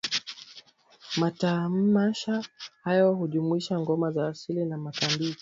Matamasha hayo hujumuisha ngoma za asili na matambiko